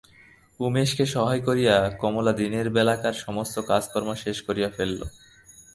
উমেশকে সহায় করিয়া কমলা দিনের বেলাকার সমস্ত কাজকর্ম শেষ করিয়া ফেলিল।